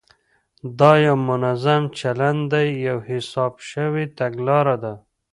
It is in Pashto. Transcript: دا یو منظم چلند دی، یوه حساب شوې تګلاره ده،